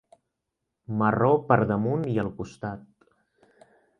Marró per damunt i al costat.